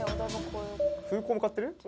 ・空港向かっている？